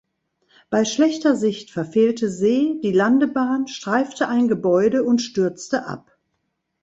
Bei schlechter Sicht verfehlte See die Landebahn, streifte ein Gebäude und stürzte ab.